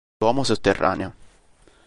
L'uomo sotterraneo